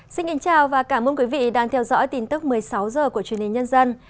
xin kính chào và cảm ơn quý vị đang theo dõi tin tức một mươi sáu h của truyền hình nhân dân